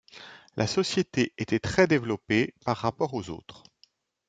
La société était très développée par rapport aux autres.